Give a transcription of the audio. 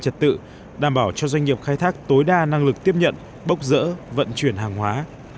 trật tự đảm bảo cho doanh nghiệp khai thác tối đa năng lực tiếp nhận bốc rỡ vận chuyển hàng hóa